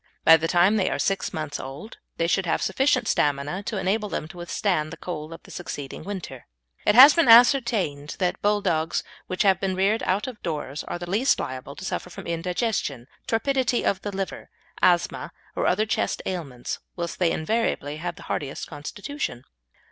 By the time they are six months old they should have sufficient stamina to enable them to withstand the cold of the succeeding winter. It has been ascertained that Bulldogs which have been reared out of doors are the least liable to suffer from indigestion, torpidity of the liver, asthma or other chest ailments, whilst they invariably have the hardiest constitution.